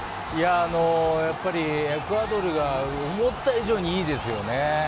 やっぱりエクアドルが思った以上にいいですよね。